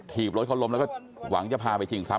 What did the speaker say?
บรถเขาล้มแล้วก็หวังจะพาไปชิงทรัพ